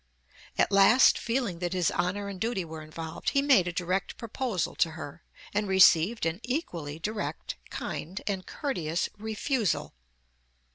At last, feeling that his honor and duty were involved, he made a direct proposal to her, and received an equally direct, kind, and courteous refusal.